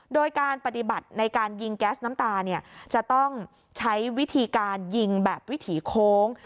โดยการปฏิบัติในการยิงแก๊สน้ำตาเนี่ยจะต้องใช้วิธีการยิงแบบวิถีโค้ง